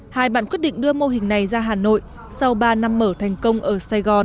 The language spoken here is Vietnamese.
hai bạn quyết định đưa mô hình này ra hà nội sau ba năm mở thành công ở sài gòn